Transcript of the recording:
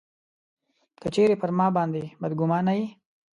که چېرې پر ما باندي بدګومانه یې.